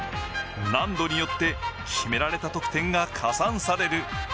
難度によって決められた得点が加算される。